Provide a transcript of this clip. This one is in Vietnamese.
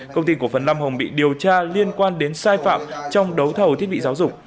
công ty cổ phần nam hồng bị điều tra liên quan đến sai phạm trong đấu thầu thiết bị giáo dục